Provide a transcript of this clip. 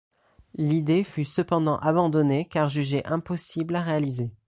L'idée fut cependant abandonnée car jugée impossible à réaliser.